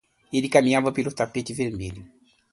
Ele caminhava pelo tapete vermelho.